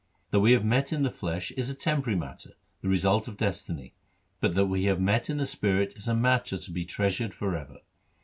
3 ' That we have met in the flesh is a temporary matter, the result of destiny ; but that we have met in the spirit is a matter to be treasured for ever.